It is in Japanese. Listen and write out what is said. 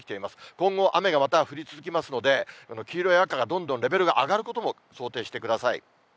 今後、雨がまた降り続きますので、黄色や赤がどんどんレベルが上がることも想定してください。